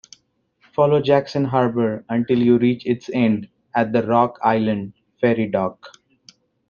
Follow Jackson Harbor until you reach its end at the Rock Island Ferry dock.